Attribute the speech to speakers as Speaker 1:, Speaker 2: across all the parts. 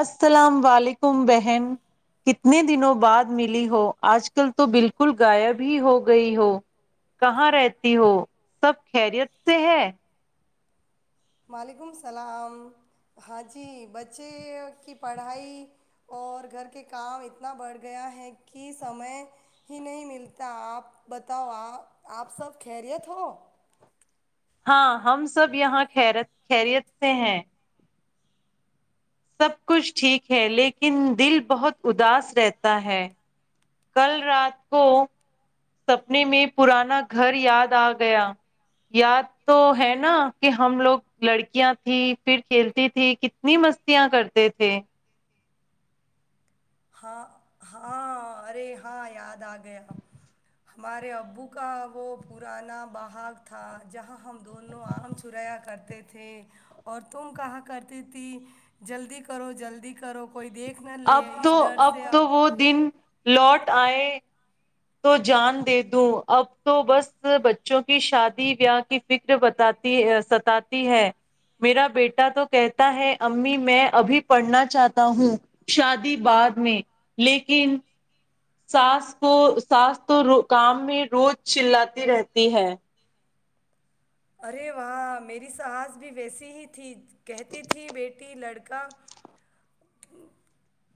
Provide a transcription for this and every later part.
Speaker 1: السلام ولیکم بہن کتنے دنوں بعد ملی ہو آج کل تو بالکل غائب ہی ہو گئی ہو کہاں رہتی ہو سب خیریت سے ہے
Speaker 2: وعلیکم السلام ہاں جی بچے کی پڑھائی اور گھر کے کام اتنا بڑھ گیا ہے کہ سمے ہی نہیں ملتا آپ بتاؤ آ آپ سب خیریت ہو
Speaker 1: ہاں ہم سب یہاں خیرت خریت سے ہیں سب کچھ ٹھیک ہے لیکن دل بہت اداس رہتا ہے کل رات کو سپنے میں پرانا گھر یاد آ گیا یاد تو ہے نا کہ ہم لوگ لڑکیاں تھھی پھر کھیلتی تھی کتنی مستیاں کرتے تھے
Speaker 2: ہاں ہاں ارے ہاں یاد آ گیا ہمارے ابو کا وہ پرانا بہاگ تھا جہاں ہم دونوں آم چرایا کرتے تھے اور تم کہا کرتی تھی جلدی کرو جلدی کرو کوئی دیکھ نہ لے
Speaker 1: اب تو
Speaker 2: اس
Speaker 1: اب تو وہ دن لارڈ آئے تو جان دے دوں اب تو بس بچوں کی شادی بیاہ کی فکر بتاتی ستاتی ہے میرا بیٹا تو کہتا ہے امی میں ابھی پڑھنا چاہتا ہوں شادی بعد میں لیکن سانس کو سس تو کام میں روز چلاتی رہتی ہے
Speaker 2: ارے وہاہ میری ساس بھی ویسی ہی تھی کہتی تھی بیٹی لڑکا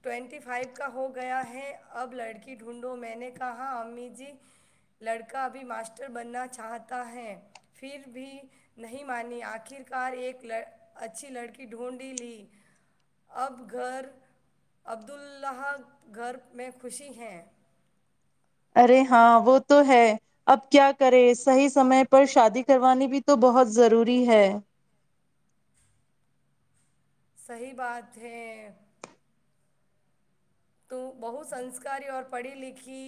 Speaker 2: ٹوینٹی فائیو کا ہو گیا ہے اب لڑکی ڈھونڈو میں نے کہااں امی جی لڑکا ابھی ماسٹر بننا چاہتا ہے پھر بھی نہیں مانی آخرکار ایک اچھی لڑکی ڈھونڈی لی اب گھر عبد اللہ گھر میں خوشی ہیں
Speaker 1: ارے ہاں وہ تو ہے اب کیا کرے صحیح سمے پر شادی کروانی بھی تو بہت ضروری ہے
Speaker 2: صحیح بات ہے تو بہو سنسکاری اور پڑھی لکھی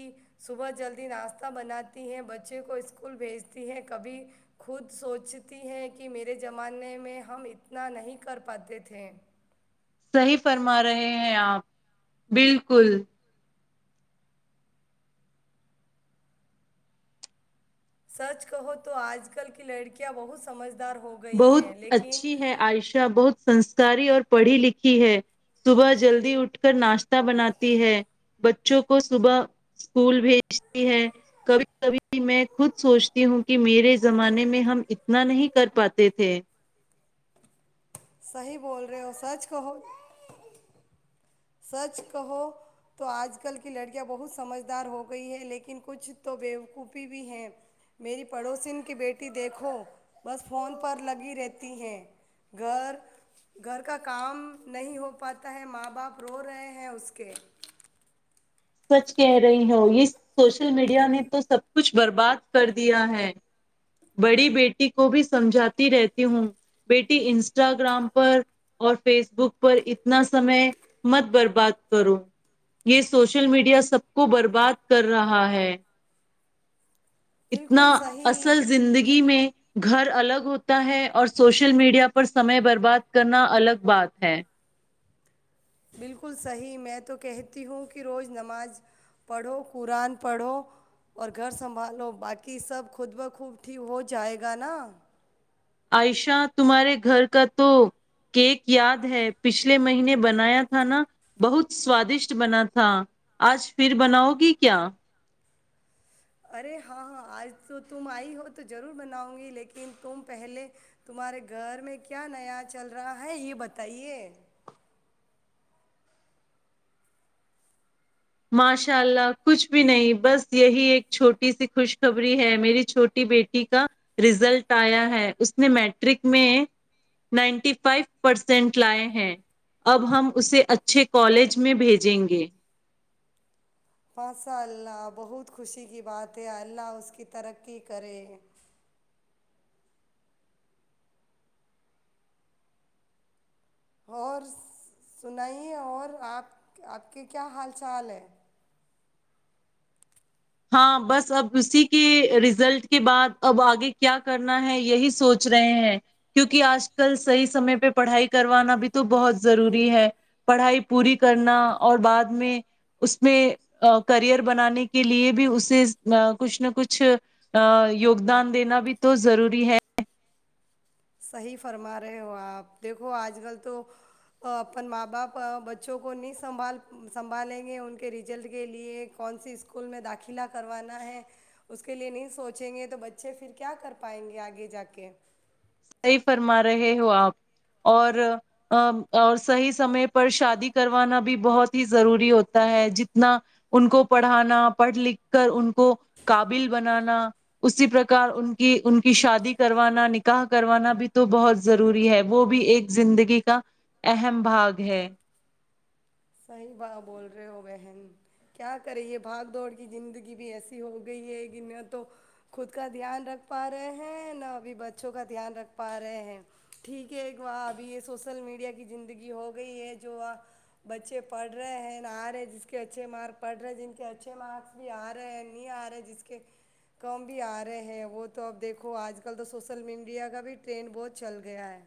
Speaker 2: صبح جلدی ناشتہ بناتی ہیں بچے کو اسکول بھیجتی ہیں کبھی خود سوچتی ہیں کہ میرے زمانے میں ہم اتنا نہیں کر پاتے تھے
Speaker 1: صحی فرما رہے ہیں آپ بالکل
Speaker 2: سچ کہو تو آج کل کی لڑکیاں بہت سمجھ
Speaker 1: بہت اچھی ہے عائشہ بہت سنس ساری اور پڑھی لکھی ہے صبح جلدی اٹھ کر ناشتہ بناتی ہے بچوں کو صبح اسکول بھیجتی ہے کبھی کبھی میں خود سوچتی ہوں کہ میرے زمانے میں ہم اتنا نہیں کر پاتے تھے
Speaker 2: صحیح بول رہے ہو سچ کہو سچ کہو تو آج کل کی لڑکیاں بہت سمجھدار ہو گئی ہیں لیکن کچھ تو بوقوفی بھی ہیں میری پڑوسین کی بیٹی دیکھو بس فون پر لگی رہتی ہیں گھر گھر کا کام نہیں ہو پاتا ہے ماں باپ رو رہے ہیں اس کے
Speaker 1: سچ کہہ رہی ہو یہ سوشل میڈیا نے تو سب کچھ برباد کر دیا ہے بڑی بیٹی کو بھی سمجھاتی رہتی ہوں بیٹی انسٹاگرام پر اور فیس بک پر اتنا سمے مت برباد کرو یہ سوشل سو شل میڈیا سب کو برباد کر رہا ہے اتنا
Speaker 2: بالکل صحیح
Speaker 1: اصل زندگی میں گھر الگ ہوتا ہے اور سوشل میڈیا پر سمے برباد کرنا الگ بات ہے
Speaker 2: بالکل صحیح میں تو کہتی ہوں کہ روز نماز پڑھو قرآن پڑھو اور گھر سنبھالو باقی سب خود بخوب ٹیک ہو جائے گا نا
Speaker 1: عائشہ تمہارے گھر کا تو کیک یاد ہے پچھلے مہینے بنایا تھا نا بہت سوادشٹ بنا تھا آج پھر بناؤ گی کیا
Speaker 2: ارے ہاں ہاں آج تو تم آئی ہو تو ضرور بناؤ گی لیکن تم پہلے تمہارے گھر میں کیا نیا چل رہا ہے یہ بتائیے
Speaker 1: ماشاء اللہ کچھ بھی نہیں بس یہی ایک چھوٹی سی خوشخبری ہے میری چھوٹی بیٹی کا رزلٹ آیا ہے اس نے میٹرک میں نائنٹی فائیو پرسینٹ لائے ہیں اب ہم اسے اچھے کالج میں بھیجیں گے
Speaker 2: ماشاءاللہ بہت خوشی کی بات ہے اللہ اس کی ترقی کرے اور سنائیے اور آپ کے کیا حال چال ہیں
Speaker 1: ہاں بس اب اسی کے ریزلٹ کے بعد اب آگے کیا کرنا ہے یہی سوچ رہے ہیں کیونکہ آج کل صحیح سمے پہ پڑھائی کروانا بھی تو بہت ضروری ہے پڑھائی پوری کرنا اور بعد میں اس میں کرئر بنانے کے لیے بھی اسے کچھ نہ کچھ یوگدان دینا بھی تو ضروری ہے
Speaker 2: صحیح فرما رہے ہو اپ دیکھو اج کل تو اپن ماں باپ بچوں کو نہیں سنبھال سنبھالیں گے ان کے ریجن کے لیے کون سی سکول میں داخلہ کروانا ہے اس کے لیے نہیں سوچیں گے تو بچے پھر کیا کر پائیں گے اگے جا کے
Speaker 1: صحیح فرما رہے ہو آپ اور اور صحیح سمے پر شادی کروانا بھی بہت ہی ضروری ہوتا ہے جتنا ان کو پڑھانا پڑھ لکھ کر ان کو قابل بنانا اسی پرک ان کی ان کی شادی کروانا نکاح کروانا بھی تو بہت ضروری ہے وہ بھی ایک زندگی کا اہم بھاگ ہے
Speaker 2: صحیح بات بول رہے ہو بہن کیا کری یہ بھاگ دوڑ کی زندگی بھی ایسی ہو گئی ہے کہ نہ تو خود کا دھیان رکھ پا رہے ہیں نہ ابھی بچوں کا دھیان رکھ پا رہے ہیں ٹھیک ہے ایک وہ ابھی یہ سوسل میڈیا کی زندگی ہو گئی ہے جو آ بچے پڑھ رہے ہیں آ رہے ہیں جس کے اچھے مارک پڑھ رہے ہیں جن کے اچھے مارکس بھی آ رہے ہیں نہیں آ رہے جس کے کم بھی آ رہے ہیں وہ تو اب دیکھو آج کل تو سوسل میڈیا کا بھی ٹرینڈ بہت چل گیا ہے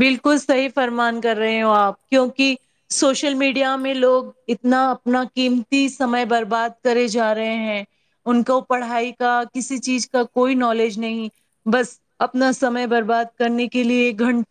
Speaker 1: بالکل صحیح فرمان کر رہے ہو آپ کیونکہ سوشل میڈیا میں لوگ اتنا اپنا قیمتی سمے برباد کرے جا رہے ہیں ان کو پڑھائی کا کسی چیز کا کوئی نالج نہیں بس اپنا سمے برباد کرنے کے لیے گھنٹ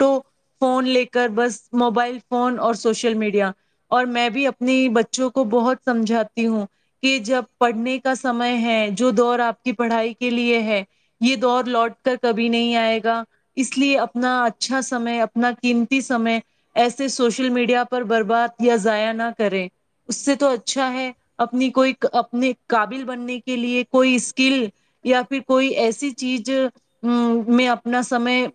Speaker 1: فون لے کر بس موبائل فون اور سوشل میڈیا اور میں بھی اپنی بچوں کو بہت سمجھاتی ہوں کہ جب پڑھنے کا سمے ہے جو دور آپ کی پڑھائی کے لیے ہے یہ دور لوٹ کر کبھی نہیں آئے گا اس لیے اپناا اچھا سمے اپنا قیمتی سمے ایسے سوشل میڈیا پر برباد یا ضائع نہ کرے اس سے تو اچھا ہے اپنی کوئی اپنے قابل بننے کے لیے کوئی اسکل یا پھر کوئی ایسی چیز میں اپنا سمے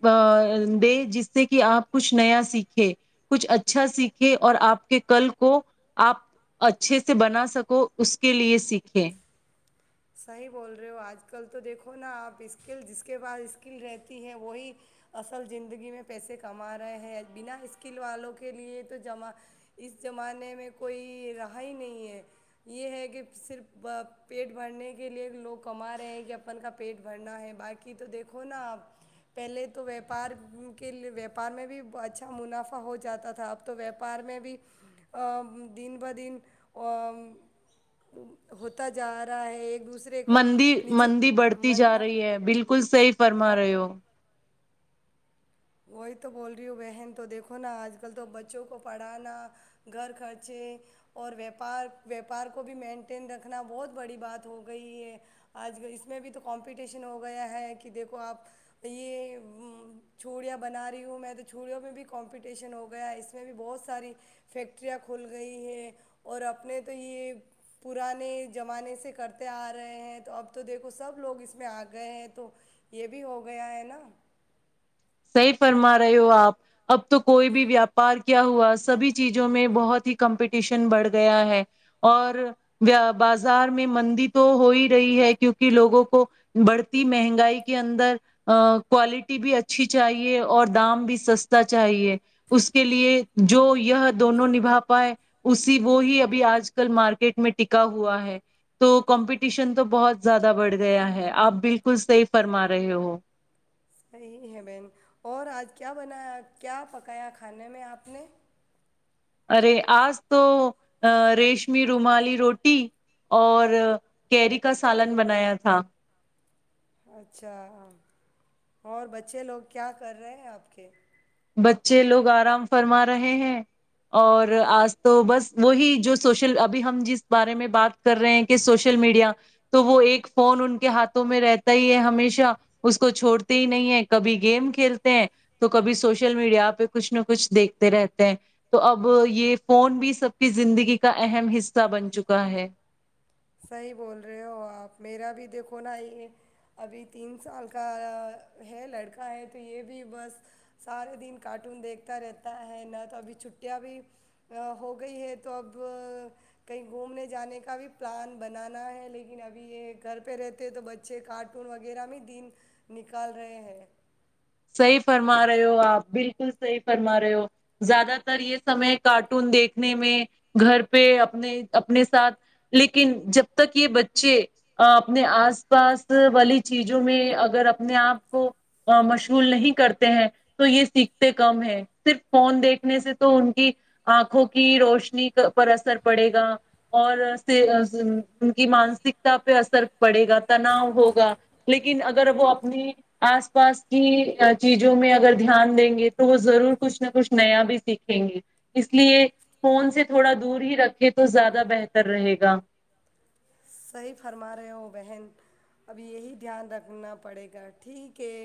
Speaker 1: دے جس سے کہ آپ کچھ نیا سیکھیں کچھ اچھا سیکھے اور آپ کے کل کو آپ اچھے سے بنا سکو اس کے لیے سیکھیں
Speaker 2: صحیح بول رہے ہو آج کل تو دیکھو نا آپ اسکل جس کے پاس اسکل رہتی ہیں وہی اصل زندگی میں پیسے کما رہے ہیں بنا اسکل والوں کے لیے توما اس زمانے میں کوئی رہا ہی نہیں ہے یہ ہے کہ صرف پیٹ بھرنے کے لیے لوگ کما رہے ہیں کہ اپن کا پیٹ بھرنا ہے باقی تو دیکھو نا آپ پہلے تو وپار کے وپار میں بھی اچھا منافع ہو جاتا تھا اب تو وپار میں بھی دن ب دن ہوتا جا رہا ہے ایک دوسرے کو
Speaker 1: مندی
Speaker 2: نیچے
Speaker 1: مندی بڑھتی
Speaker 2: من
Speaker 1: جا رہی ہے بالکل صحی فرما
Speaker 2: ہاں
Speaker 1: رہے ہو
Speaker 2: وہی تو بول رہی ہوں بہن تو دیکھو نا آج کل تو بچوں کو پڑھانا گھر خرچے اور ویاپار ویاپار کو بھی مینٹین رکھنا بہت بڑی بات ہو گئی ہے آج ک اس میں بھی تو کمپٹیشن ہو گیا ہے کہ دیکھو آپ یہ چھوڑیاں بنا رہی ہوں میں تو چوڑیوں میں بھی کمپٹیشن ہو گیا ہے اس میں بھی بہت ساری فیکٹریاں کھل گئی ہیں اور اپنے تو یہ پرانے زمانے سے کرتے آ رہے ہیں تو اب تو دیکھو سب لوگ اس میں آ گئے ہیں تو یہ بھی ہو گیا ہے نا
Speaker 1: صحیح فرما رہے ہو آپ اب تو کوئی بھی ویاپار کیا ہوا سبھی چیزوں میں بہت ہی کمپٹیشن بڑھ گیا ہے اور بازار میں مندی تو ہو ہی رہی ہے کیونکہ لوگوں کو بڑھتی مہنگائی کے اندر کوالٹی بھی اچ اچھی چاہیے اور دام بھی سستا چاہیے اس کے لیے جو یہ دونوں نبھا پائے اسی وہ ہی ابھی آج کل مارکیٹ میں ٹکا ہوا ہے تو کمپٹیشن تو بہت زیادہ بڑھ گیا ہے آپ بالکل صحیح فرما رہے ہو
Speaker 2: صحیح ہے بہن اور آج کیا بنایا کیا پکایا کھانے میں آپ نے
Speaker 1: ارے آج تو ریشمی رومالی روٹی اور کیری کا سالن بنایا تھا
Speaker 2: اچھا اور بچے لوگ کیا کر رہے ہیں آپ کے
Speaker 1: بچے لوگ آرام فرما رہے ہیں اور آج تو بس وہی جو سوشل ابھی ہم جس بارے میں بات کر رہے ہیں کہ سوشل میڈیا تو وہ ایک فون ان کے ہاتھوں میں رہتا ہی ہے ہمیشہ اس کو چھوڑتے ہی نہیں ہے کبھی گیم کھیلتے ہیں تو کبھی سوشل سوشل میڈیا پہ کچھ نہ کچھ دیکھتے رہتے ہیں تو اب یہ فون بھی سب کی زندگی کا اہم حصہ بن چکا ہے
Speaker 2: صحیح بول رہے ہو آپ میرا بھی دیکھو نا یہ ابھی تین سال کا ہے لڑکا ہے تو یہ بھی بس سارے دن کارٹون دیکھتا رہتا ہے نہ تو ابھی چھٹیاں بھی ہو گئی ہے تو اب کہیں گھومنے جانے کا بھی پلان بنانا ہے لیکن ابھی یہ گھر پہ رہتے ہیں تو بچے کارٹون وغیرہ میں دن نکال رہے ہیں
Speaker 1: صحیح فرما رہے ہو آپ بالکل صحیح فرما رہے ہو زیادہ تر یہ سمے کارٹون دیکھنے میں گھر پہ اپنے اپنے ساتھ لیکن جب تک یہ بچے اپنے آس پاس والی چیزوں میں اگر اپنے آپ کو م ول نہیں کرتے ہیں تو یہ سیکھتے کم ہیں صرف فون دیکھنے سے تو ان کی آنکھوں کی روشنی پر اثر پڑے گا اور ان کی مانسکتا پہ اثر پڑے گا تناؤ ہوگا لیکن اگر وہ اپنی آس پاس کی چیزوں میں اگر دھیان دیں گے تو وہ ضرور کچھ نہ کچھ نیا بھی سیکھیں گے اس لیے فون سے تھوڑا دور ہی رکھے تو زیادہ بہتر رہے گا
Speaker 2: صحیح فرما رہے ہو بہن ابھی یہی دھیان رکھنا پڑے گا ٹھیک ہے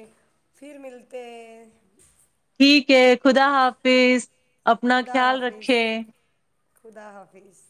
Speaker 2: پھر ملتے
Speaker 1: ٹھیک ہے خدا حافظ اپنا
Speaker 2: خدا
Speaker 1: خیال
Speaker 2: حافظ
Speaker 1: رکھے
Speaker 2: خدا حافظ